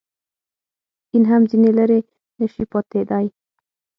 دین هم ځنې لرې نه شي پاتېدای.